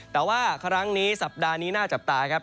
แต่ว่าครั้งนี้สัปดาห์นี้น่าจับตาครับ